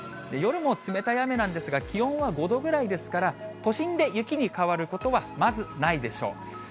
夜も冷たい雨なんですが、気温は５度ぐらいですから、都心で雪に変わることは、まずないでしょう。